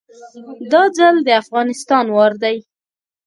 دا ځل د افغانستان وار دی